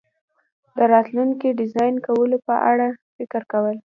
د راتلونکي ډیزاین کولو په اړه فکر کول